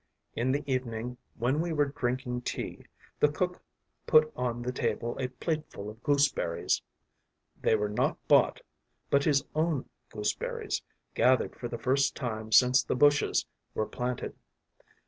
In the evening, when we were drinking tea, the cook put on the table a plateful of gooseberries. They were not bought, but his own gooseberries, gathered for the first time since the bushes were planted.